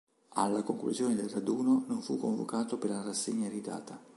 Alla conclusione del raduno non fu convocato per la rassegna iridata.